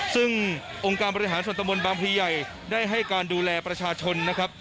ซึ่งองค์การบริหารส่วนตะบนบางพลีใหญ่ได้ให้การดูแลประชาชนนะครับ